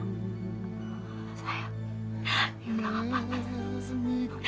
tidak apa apa pastri